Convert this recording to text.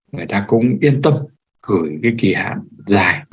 người ta cũng yên tâm gửi cái kỳ hạn